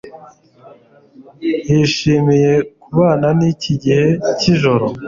yishimiye kubana niki gihe cyijoro